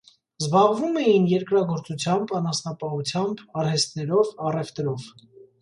Զբաղվում էին երկրագործությամբ, անասնապահությամբ, արհեստներով, առևտրով։